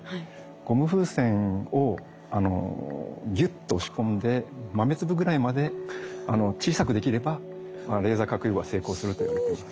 ゴム風船をギュッと押し込んで豆粒ぐらいまで小さくできればレーザー核融合は成功するといわれています。